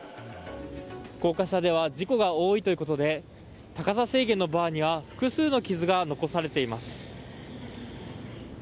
高架下では事故が多いということで高さ制限のバーには複数の傷が残されています。